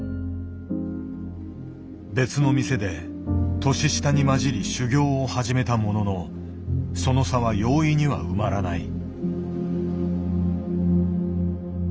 別の店で年下に交じり修業を始めたもののその差は容易には埋まらない。